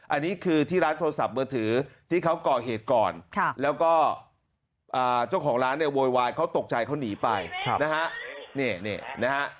อันนี้คือที่ร้านโทรศัพท์มือถือที่เขาก่อเหตุก่อนแล้วก็เจ้าของร้านเนี่ยโวยวายเขาตกใจเขาหนีไปนะฮะ